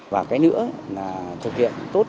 và cái nữa là thực hiện tốt